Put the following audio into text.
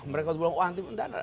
mereka bilang oh hanti